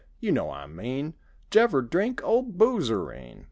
you know I mean Jevver drink old boozerine?